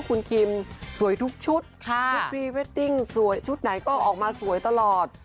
คุณคิมสวยทุกชุดชุดพรีเวดดิ้งสวยชุดไหนก็ออกมาสวยตลอด